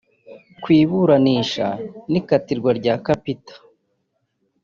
Ku iburanisha n’ ikatirwa rya Capt